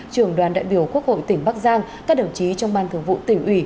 trưởng đoàn đại biểu quốc hội tỉnh bắc giang các đồng chí trong ban thủ vụ tỉnh ủy